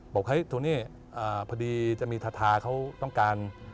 บอกเฮ้ยโทนี่พอดีจะมีทาทาเขาต้องการ